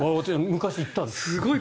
昔、行ったんです。